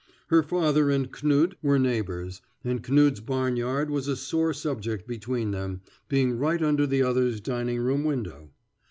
Her father and Knud were neighbors and Knud's barn yard was a sore subject between them, being right under the other's dining room window.